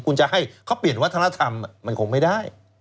คุณจะให้เขาเปลี่ยนวัฒนธรรมมันคงไม่ได้